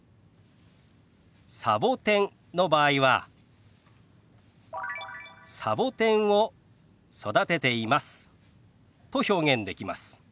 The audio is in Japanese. サボテンの場合は「サボテンを育てています」と表現できます。